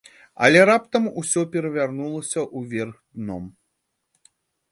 Але раптам усё перавярнулася ўверх дном.